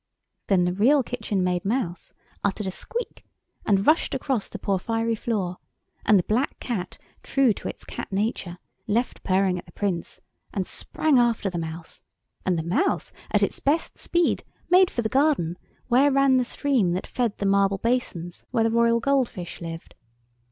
Then the Real Kitchen Maid Mouse uttered a squeak, and rushed across the porphyry floor, and the black Cat, true to its cat nature, left purring at the Prince and sprang after the Mouse, and the Mouse at its best speed, made for the garden where ran the stream that fed the marble basins where the royal gold fish lived.